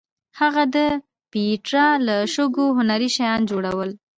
هغه د پېټرا له شګو هنري شیان جوړول.